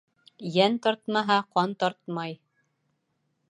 Йән тартмаһа, ҡан тартмай.